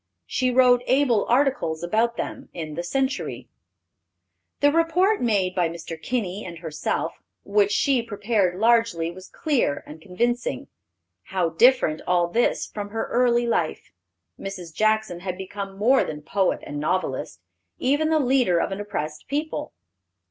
She wrote able articles about them in the Century. The report made by Mr. Kinney and herself, which she prepared largely, was clear and convincing. How different all this from her early life! Mrs. Jackson had become more than poet and novelist; even the leader of an oppressed people.